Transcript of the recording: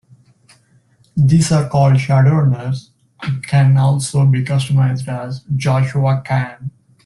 These are called shadowrunners, and can also be customized as Joshua can.